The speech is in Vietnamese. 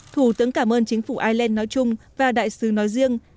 thủ tướng cảm ơn chính phủ ireland nói chung và đại sứ nói riêng